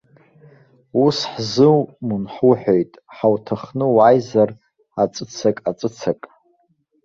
Ус ҳзумун, ҳуҳәоит, ҳауҭахны уааизар аҵәыцак, аҵәыцак!